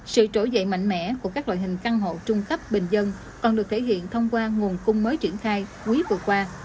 sự trỗi dậy mạnh mẽ của các loại hình căn hộ trung cấp bình dân còn được thể hiện thông qua nguồn cung mới triển khai quý vừa qua